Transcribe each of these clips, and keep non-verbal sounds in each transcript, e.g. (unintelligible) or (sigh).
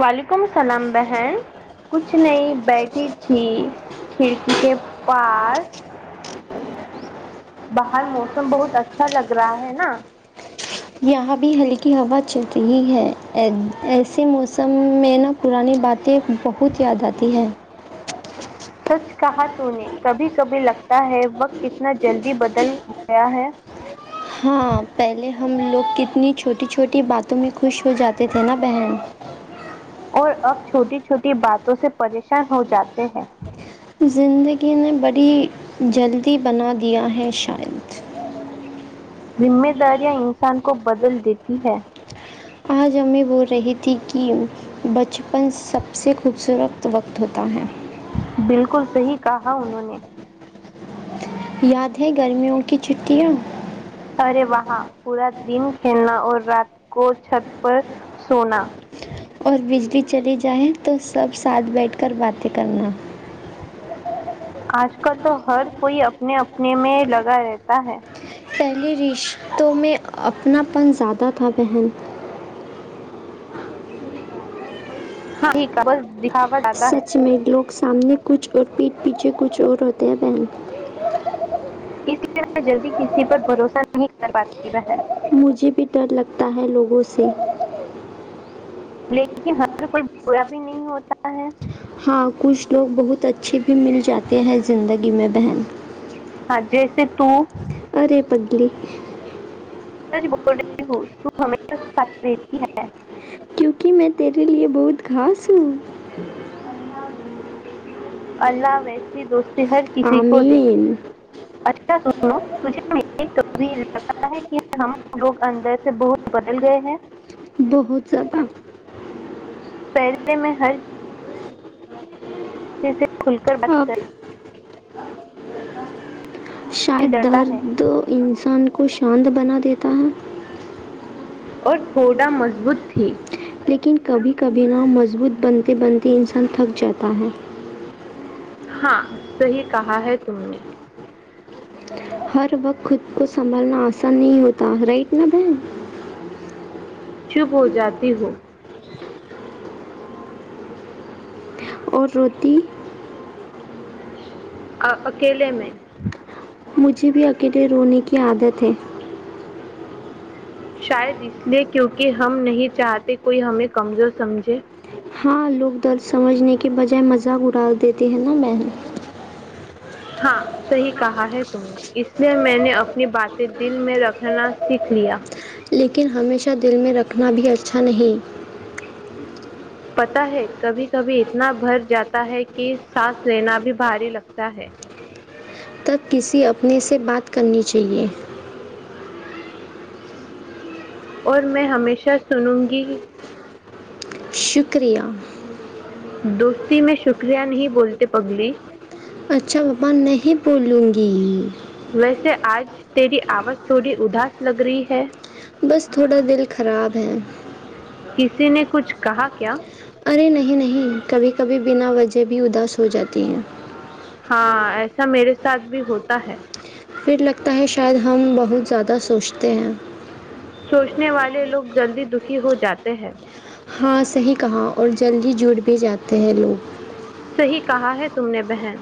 وعلیکم اللام بہن کچھ نہیں بیٹھی تھی کھڑکی کے پاس باہر موسم بہت اچھا لگ رہا ہے ہے نا یہاں بھی ہلکی ہوا چلتی ہے ایسے موسم میں نا پرانی باتیں بہت یاد آتی ہیں سچ کہا تو نے کبھی کبھی لگتا ہے وقت کتنا جلدی بدل گیا ہے ہاں پہلے ہم کتنی چھوٹی چھوٹی باتوں میں خوش ہو جاتے تھے نا بہن اور اب چھوٹی چھوٹی باتوں سے پریشان ہو جاتے ہیں زندگی نے بڑی جلدی بنا دیا ہے شاید ذمہ داریاں انسان کو بدل دیتی ہیں آج ہمب میں بول رہی تھی کہ بچپن سب سے خوبصورت وقت ہوتا ہے بالکل صحیح کہا انہوں نے یاد ہے گرمیوں کی چھٹیاں ارے وہاں پورا دن کھیلنا اور رات کو چھت پر سونا اور بجلی چلی جائے تو سب ساتھ بیٹھ کر باتیں کرنا آج کل تو ہر کوئی اپنے اپنے میں لگا رہتا ہے پہلے رشتوں میں اپناپن زیادہ تھا بہن ہاں ٹھیک ہے بس دکھاوا زیادہ ہے سچ میں لوگ سامنے کچھ اور پیھ پیچھے کچھ اور ہوتے ہیں بہن اس لیے میں جلدی کسی پر بھروسہ نہیں کر پاتی بہن مجھے بھی ڈر لگتا ہے لوگوں سے لیکن ہر کوئی با بھی نہیں ہوتا ہے ہاں کچھ لوگ بہت اچھے بھی مل جاتے ہیں زندگی میں بہن جیسے تو ارے پگلی بول رہی ہو ت ہمیشہ سچ رہتی ہے کیونکہ میں تیرے لیے بہت خھاس اللہ ویسی دوست ہر کسی کو دے آمین اچھا سنو تجھے تو بھی لگتا ہے کہ ہم لوگ اندر سے بہت بدل گئے ہیں بہت زیادہ پ قصے میں ہر جیسے کھل کر بچر اب شاید ڈرتا ہے درد انسان کو شانت بنا دیتا ہے اور تھوڑا مضبوط تھی لیکن کبھی کبھی نہ مضبوط بنتے بنتے انسان تھک جاتا ہے ہاں صحیح کہا ہے تم نے ہر وقت خود کو سنبھالنا آسان نہیں ہوتا رائٹ نا بہن چب ہو جاتی ہو اور روٹی اکیلے میں مجھے بھی اکیلے رونے کی عادت ہے شاید اس لیے کیونکہ ہم نہیں چاہتے کوئی ہمیں کمزور سمجھے ہاں لوگ درد سمجھنے کے بجائے مذاق اڑا دیتے ہیں نا بہن ہاں صحیح کہا ہے تم نے اس لیے میں نے اپنی باتیں دل میں رکھنا سیکھ لیا لیکن ہمیشہ دل میں رکھنا بھی اچھا نہیں پتا ہے کبھی کبھی اتنا بھر جاتا ہے کہ سانس لینا بھی بھاری لگتا ہے تب کسی اپنے سے بات کرنی چاہیے اور میں ہمیشہ سنوں گی شکریہ دوستی میں شکریہ نہیں بولتے پگلی اچھا بابا نہیں بولوں گی ویسے آج تیری آواز تھوڑی اداس لگ رہی ہے بس تھوڑا دل خراب ہے کسی نے کچھ کہا کیا ارے نہیں نہیں کبھی کبھی بنا وجہ بھی اداس ہو جاتی ہے ہاں ایسا میرے ساتھ بھی ہوتا ہے پھر لگتا ہے شاید ہم بہت زیادہ سوچتے ہیں سوچنے والے لوگ جلدی دکھی ہو جاتے ہیں ہاں صحیح کہا اور جلد ہی جڑ بھی جاتے ہیں لوگ صحیح کہا ہے تم نے بہن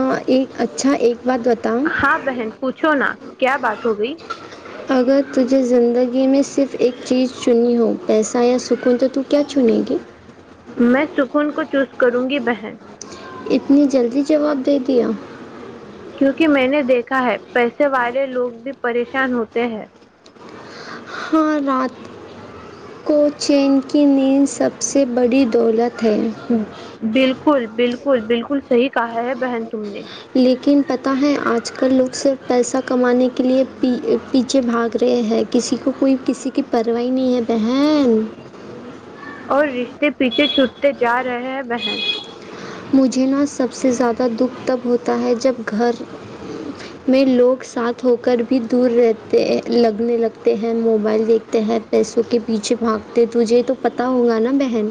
ہاں ایک (unintelligible) اچھا ایک بات بتاؤں ہاں بہن پوچھو نا کیا بات ہو گئی اگر تجھے زندگی میں صرف ایک چیز چنی ہو پیسہ یا سکون تو تو کیا چنے گی میں سکون کو چوز کروں گی بہن اتنی جلدی جواب دے دیا کیونکہ میں نے دیکھا ہے پیسے والے لوگ بھی پریشان ہوتے ہیں رات کو چین کی نیند سب سے بڑی دولت ہے ہ بالکل بالکل بالکل بالکل صحیح کہا ہے بہن تم نے لیکن پتہ ہے آج کل لوگ صر پیسہ کمانے کے لیےی پیچھے بھاگ رہے ہیں کسی کو کوئی کسی کی پرواہائی نہیں ہے بہن اور رشتے پیچھے چھوٹتے جا رہے ہیں بہن مجھے نا سب سے زیادہ دکھ تب ہوتا ہے جب گھر میں لوگ ساتھ ہو کر بھی دور رہتے لگنے لگتے ہیں موبائل دیکھتے ہیں پیسوں کے پیچھے بھاگتے تجھے تو پت ہوگا نا بہن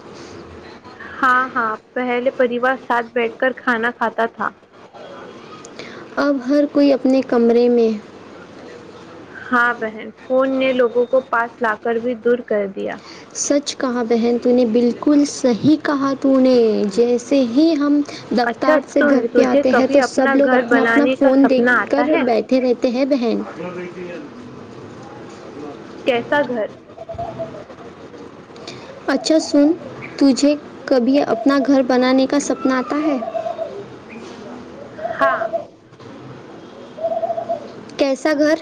ہاں ہاں پہلے پریوار ساتھ بیٹھ کر کھانا کھاتا تھا اب ہر کوئی اپنے کمرے میں ہاں بہن فون نے لوگوں کو پاس لا کر بھی دور کر دیا سچ کہا بہن تو نے بالکل صحیح کہا تو نے جیسے ہی ہم اچھا دفتار سے سن گھر پہ تجھے آتے ہیں کبھی تو سب اپنا لوگ گھر اپنا اپنا بنانے کا فون دیکھ سپنا آتا کر ہے بیٹھے رہتے ہیں بہن کیسا گھر اچھا سن تجھے کبھی اپنا گھر بنانے کا سپنا آتا ہے ہاں کیسا گھر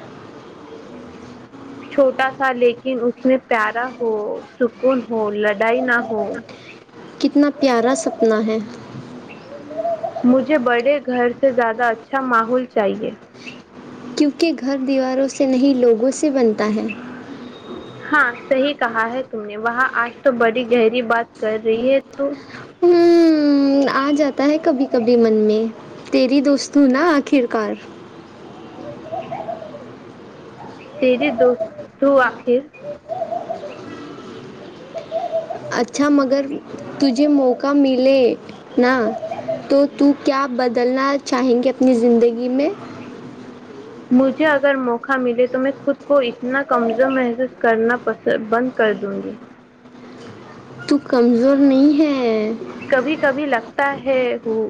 چھوٹا سا لیکن اس اس میں پیارا ہو سکون ہو لڑائی نہ ہو کتنا پیارا سپنا ہے مجھے بڑے گھر سے زیادہ اچھا ماحول چاہیے کیونکہ گھر دیواروں سے نہیں لوگوں سے بنتا ہے ہاں صحی کہا ہے تم نے وہاں آج تو بڑی گہری بات کر رہی ہے تو ہ آ جاتا ہے کبھی کبھی من میں تیری دوست ہ نا آخر کار تریے دوست آخر (inaudible) اچھا مگر تجھے موقع ملے نا تو تو کیا بدلنا چاہیں گی اپنی زندگی میں مجھے اگر موقع ملے تو میں خود کو اتنا کمزور محسوس کرنا پس بند کر دوں گی تو کمزور نہیں ہے کبھی کبھی لگتا ہے وہ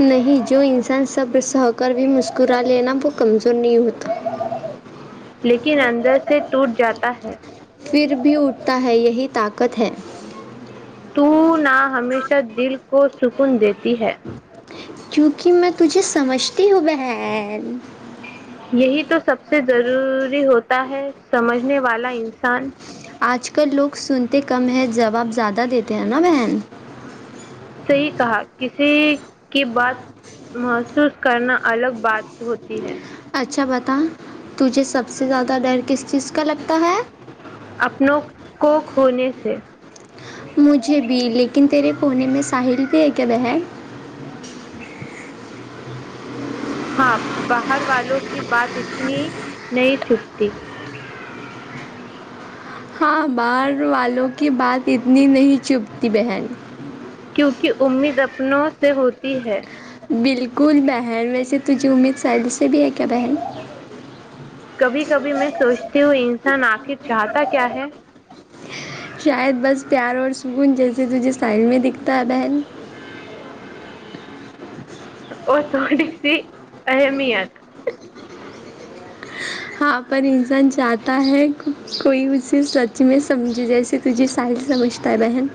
نہیں جو انسان صبر س ہو کر بھی مسکرا لینا وہ کمزور نہیں ہوتا لیکن اندر سے ٹوٹ جاتا ہے پھر بھی اٹھتا ہے یہی طاقت ہے تو نہ ہمیشہ دل کو سکون دیتی ہے کیونکہ میں تجھے سمجھتی ہوں بہن یہی تو سب سے ضروری ہوتا ہے سمجھنے والا انسان آج کل لوگ سنتے کم ہیں جواب زیادہ دیتے ہیں نا بہن صی کہا کسی کی بات محسوس کرنا الگ بات ہوتی ہے اچھا بتاؤ تجھے سب سے زیادہ ڈر کس چیز کا لگتا ہے اپنوں کو کھونے سے مجھے بھی لیکن تیرے کونے میں ساحل بھی ہے کہب ہے ہاں باہر والوں کی بات اتنی نہیں چھپتی ہاں باہر والوں کی بات اتنی نہیں چپھتی بہن کیونکہ امید اپن سے ہوتی ہے بالکل بہن ویسے تجھے امید سائل سے بھی ہے کیا بہن کبھی کبھی میں سوچتی ہوں انسان آخر چاہتا کیا ہے شاید بس پیار اور سکون جیسے تجھے سٹحل میں دکھتا ہے بہن اور تھوڑی سی اہمیت ہاں پر انسان چاہتا ہے کوئی اسے سچ میں سمجھے جیسے تجھے ساری سمجھتا ہے بہن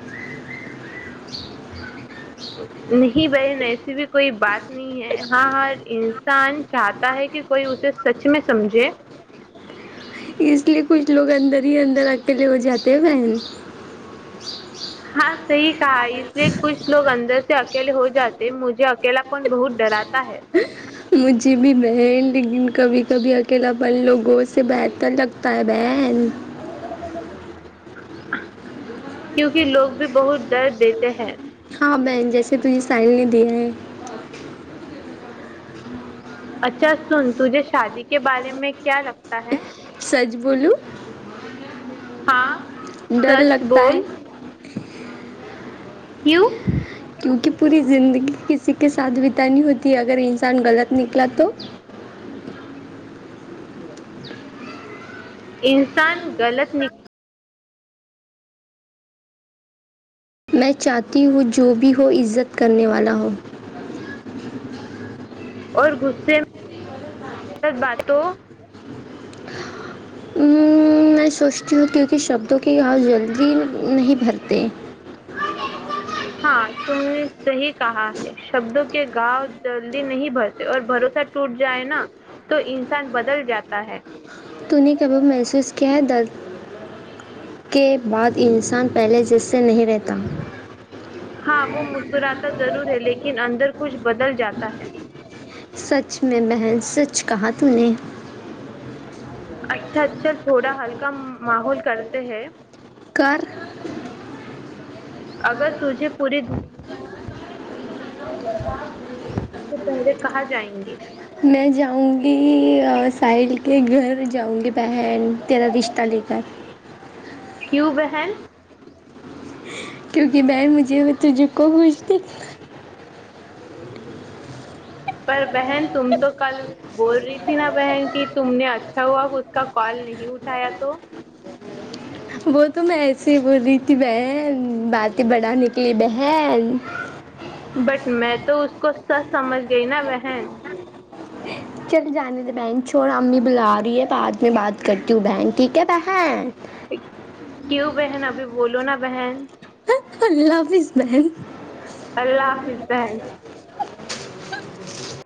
نہیں بہن ایسی بھی کوئی بات ہے ہاں ہر (unintelligible) انسان چاہتا ہے کہ کوئی اسے سچ میں سمجھے اس لیے کچھ لوگ اندر ہی اندر اکیلے ہو جاتے ہیں بہن صحی (unintelligible) اس لیے کچھ لوگ اندر سے اکیلے ہو جاتے مجھے اکلا پن بہت ڈرات ہ مجھے بھی بہن لیکن کبھی کبھی اکیلا پن لوگوں سے بہتر لگتا ہے بہن کیونکہ لوگ بھی بہت درد دیتے ہیں ہاں بہن جیسے تجھے سائل نے دیا ہے اچھا سن تجھے شادی کے بارے میں کیا لگتا تا ہے بولو ہاں سچ بول کیوں کیونکہ پوری زندگی کسی کے ساتھ بتانی ہوتی ہے اگر انسان غلط نکلا تو انسان غلط نک میں چاہتی ہوں جو بھی ہو عزت کرنے والا ہو اور غے میں باتوں میں سوچتی ہوں کیونکہ شبدوں کی گاؤ جلدی نہیں بھرتے ہاں تم نے صحی کہا ہے شبدوں کے گاؤ جلدی نہیں بھرتے اور بھروسہ ٹوٹ جائے نا تو انسان بدل جاتا ہے تو نے ک ابب محسوس کیا ہے درد کے بعد انسان پہلے جس سے نہیں رہتا ہاں وہ مسکراتا ضرور ہے لیکن اندر کچھ بدل جاتا ہے سچ میں بہن سچ کہااں ت نے اچھا اچھا تھوڑا ہلکا ماحول کرتے ہے گھر اگر تجھے پوری دنیا سے پہلے کہاں جائیں گے میں جاؤں گی سال کے گھر جاؤں گی بہن تیرا رشتہ لے کر کیوں بہن کیونکہ بہن مجھے تو جو کوو بھیجتی پر بہن تم تو کل بول رہی تھی نا بہن کہ تم نے اچھا ہوا اس کا کال نہیں اٹھایا تو وہ تو میں ایسے ہی بول رہی تھی بہن باتیں بڑا نکلی بہن بٹ میں تو اس کو سچ سمجھ گئی نا بہن چلے جانے دے بہن چھوڑا امی بلا رہی ہے بعد میں بات کرتی ہوں بہن ٹھیک ہے بہن کیوں بہن ابھی بولو نا بہن اور لو از مین اللہ حافظ بہن فق